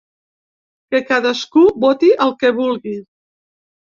Que cadascú voti el que vulgui.